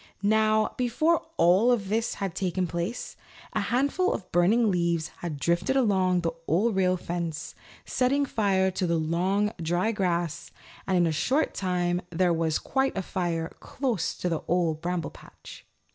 Now, before all this had taken place, a handful of burning leaves had drifted along the Old Rail Fence, setting fire to the long, dry grass, and in a short time there was quite a fire close to the Old Bramble Patch.